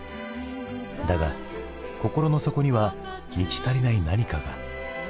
だが心の底には満ち足りない何かが。